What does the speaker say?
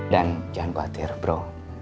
dan jangan khawatir bro